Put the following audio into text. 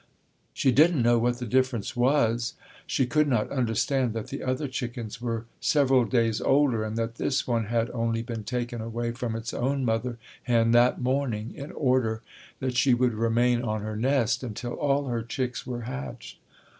She didn't know what the difference was. She could not understand that the other chickens were several days older and that this one had only been taken away from its own mother hen that morning in order that she would remain on her nest until all her chicks were hatched.